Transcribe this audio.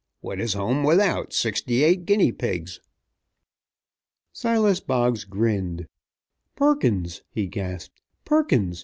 What is home without sixty eight guinea pigs?" Silas Boggs grinned. "Perkins!" he gasped. "Perkins!